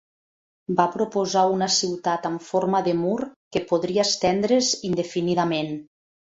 Va proposar una ciutat amb forma de mur que podria estendre's indefinidament.